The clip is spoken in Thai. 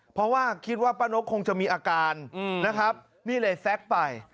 เพราะว่าคิดว่าป้านกคงจะมีอาการนะครับนี่เลยแซ็กไป